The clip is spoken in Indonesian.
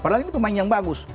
padahal ini pemain yang bagus